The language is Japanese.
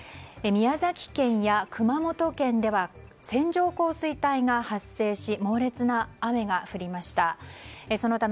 宮崎県や熊本県では線状降水帯が発生し猛烈な雨が降りました。